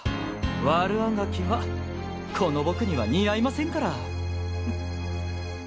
悪あがきはこの僕には似合いませんから。